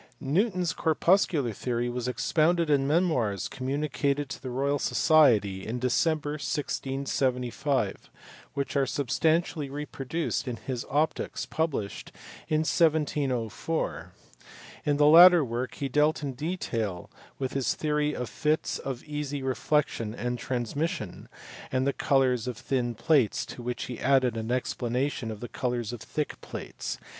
Newton s corpuscular theory was expounded in memoirs communicated to the Royal Society in December, 1675, which are substantially reproduced in his Optics, published in 1704. In the latter work he dealt in detail with his theory of fits of easy reflexion and transmission, and the colours of thin plates to which he added an explanation of the colours of thick plates (bk.